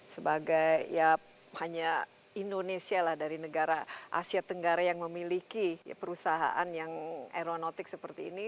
sebagai ya hanya indonesia lah dari negara asia tenggara yang memiliki perusahaan yang aeronotik seperti ini